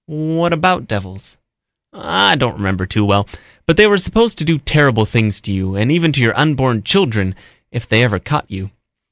"What about devils?" "I don't remember too well, but they were supposed to do terrible things to you and even to your unborn children if they ever caught you.